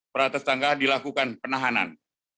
peratus tangga dilakukan penahanan